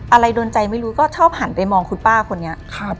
อะไรโดนใจไม่รู้ก็ชอบหันไปมองคุณป้าคนนี้